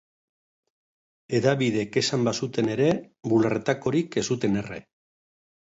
Hedabideek esan bazuten ere, bularretakorik ez zuten erre.